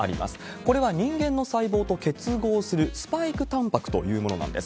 これは人間の細胞と結合するスパイクタンパクというものなんです。